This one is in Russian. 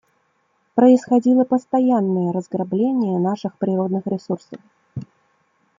Происходило постоянное разграбление наших природных ресурсов.